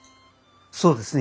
そうですね。